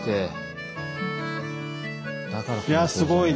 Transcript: いやすごいです。